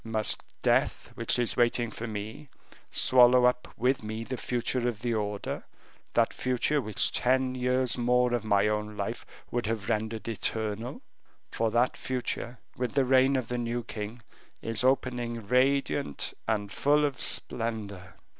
Must death, which is waiting for me, swallow up with me the future of the order; that future which ten years more of my own life would have rendered eternal? for that future, with the reign of the new king, is opening radiant and full of splendor."